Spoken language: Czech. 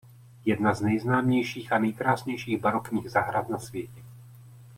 Jedna z nejznámějších a nejkrásnějších barokních zahrad na světě.